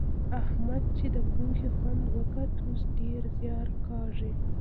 احمد چې د پوهې خوند وکوت؛ اوس ډېر زيار کاږي.